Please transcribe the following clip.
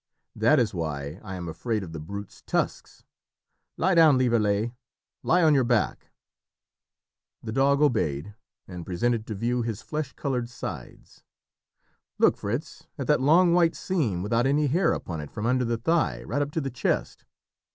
That is why I am afraid of the brutes' tusks. Lie down, Lieverlé, lie on your back!" The dog obeyed, and presented to view his flesh coloured sides. "Look, Fritz, at that long white seam without any hair upon it from under the thigh right up to the chest.